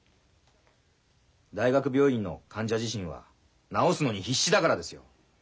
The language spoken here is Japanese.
大学病院の患者自身は治すのに必死だからですよ。